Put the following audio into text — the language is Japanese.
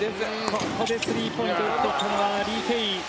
ここでスリーポイントを打っていたのはリ・ケイイ。